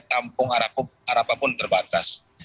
tampung arapah pun terbatas